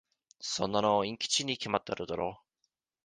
そんなのインチキに決まってるだろ。